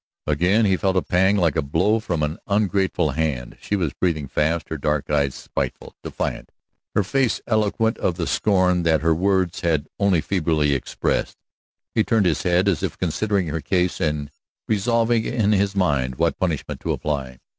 Again he felt a pang, like a blow from an ungrateful hand. She was breathing fast, her dark eyes spiteful, defiant, her face eloquent of the scorn that her words had only feebly expressed. He turned his head, as if considering her case and revolving in his mind what punishment to apply.